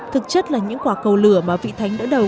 thực chất là những quả cầu lửa mà vị thánh đỡ đầu